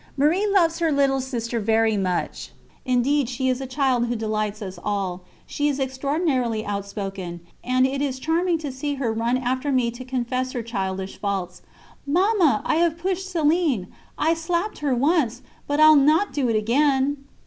"Marie loves her little sister very much; indeed she is a child who delights us all. She is extraordinarily outspoken, and it is charming to see her run after me to confess her childish faults: 'Mamma, I have pushed Céline; I slapped her once, but I'll not do it again.'